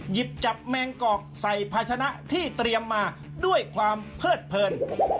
หยิบจับแมงกอกใส่ภาชนะที่เตรียมมาด้วยความเพิดเพลิน